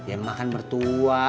emak kan bertuak